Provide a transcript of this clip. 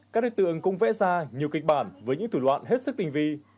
các đối tượng cũng vẽ ra nhiều kịch bản với những thủ đoạn hết sức tinh vi